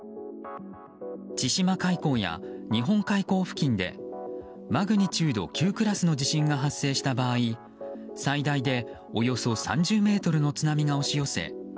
千島海溝や日本海溝付近でマグニチュード９クラスの地震が発生した場合最大でおよそ３０ｍの津波が押し寄せ